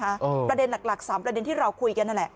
ประเด็นหลักหลักสามประเด็นที่เราคุยกันนั่นแหละ